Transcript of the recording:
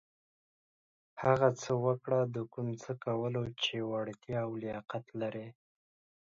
هغه څه وکړه د کوم څه کولو چې وړتېا او لياقت لرٸ.